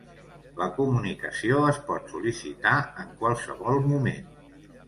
La comunicació es pot sol·licitar en qualsevol moment.